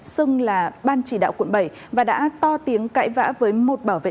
xưng là ban chỉ đạo quận bảy và đã to tiếng cãi vã với một bảo vệ